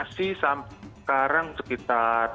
vaksinasi sampai sekarang sekitar